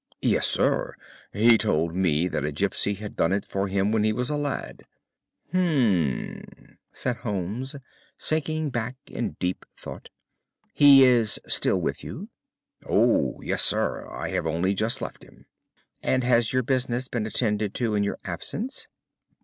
"Yes, sir. He told me that a gipsy had done it for him when he was a lad." "Hum!" said Holmes, sinking back in deep thought. "He is still with you?" "Oh, yes, sir; I have only just left him." "And has your business been attended to in your absence?"